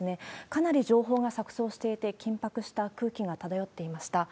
かなり情報が錯そうしていて、緊迫した空気が漂っていました。